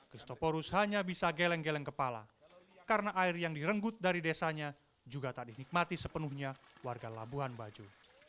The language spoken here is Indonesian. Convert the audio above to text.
kristoporus hanya bisa geleng geleng kepala karena air yang direnggut dari desanya juga tak dinikmati sepenuhnya warga labuan bajo